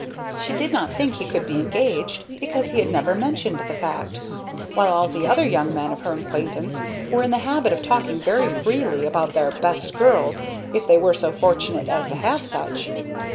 She did not think he could be engaged, because he had never mentioned the fact, while all the other young men of her acquaintance were in the habit of talking very freely about their "best girls," if they were so fortunate as to have such.